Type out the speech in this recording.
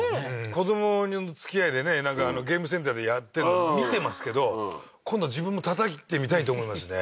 子どものつきあいでねゲームセンターでやってるの見てますけど今度自分もたたいてみたいって思いますね